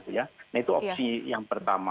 nah itu opsi yang pertama